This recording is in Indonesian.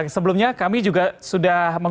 sebelumnya kami juga sudah